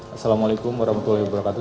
assalamu'alaikum warahmatullahi wabarakatuh